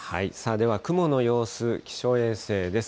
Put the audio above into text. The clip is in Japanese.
では雲の様子、気象衛星です。